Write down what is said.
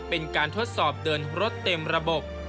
เป็นการทดสอบเดินรถเต็มระบบ